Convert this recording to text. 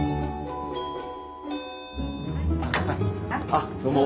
あっどうぞ。